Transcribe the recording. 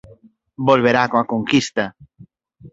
Volverá coa conquista".